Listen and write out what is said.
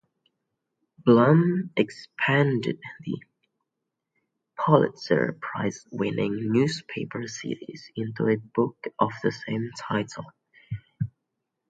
Blum expanded the Pulitzer Prize-winning newspaper series into a book of the same title.